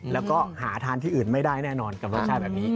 แล้วก็หาทานที่อื่นไม่ได้แน่นอนกับรสชาติแบบนี้